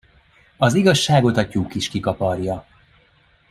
Az igazságot a tyúk is kikaparja.